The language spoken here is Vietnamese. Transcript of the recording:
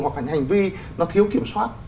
hoặc hành vi nó thiếu kiểm soát